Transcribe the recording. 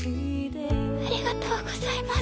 ありがとうございます。